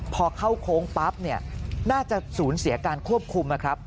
พอเข้าโค้งปั๊บเนี่ยน่าจะสูญเสียการควบคุมนะครับ